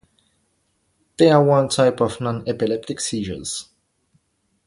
They are one type of non-epileptic seizures.